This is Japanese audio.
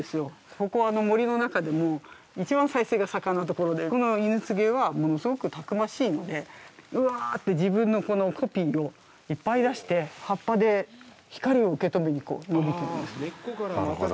ここは、森の中でもいちばん再生が盛んなところでこのイヌツゲは物すごくたくましいのでうわーって、自分のコピーをいっぱい出して、葉っぱで光を受け止めに伸びているんですね。